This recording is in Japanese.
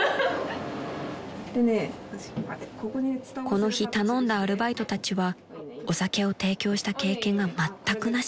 ［この日頼んだアルバイトたちはお酒を提供した経験がまったくなし］